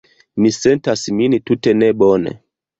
Mi sentas min tute nebone.